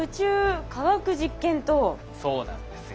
そうなんですよ。